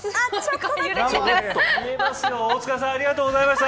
大塚さんありがとうござました。